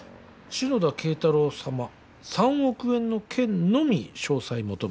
「篠田敬太郎さま３億円の件のみ詳細求む」